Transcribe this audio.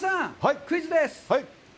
クイズです。